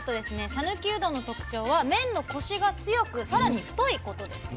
讃岐うどんの特徴は麺のコシが強く更に太いことですね。